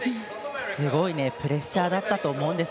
すごいプレッシャーだったと思うんです。